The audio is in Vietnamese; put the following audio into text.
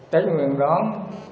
tế nguyên đón